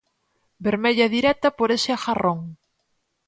Vermella directa por ese agarrón.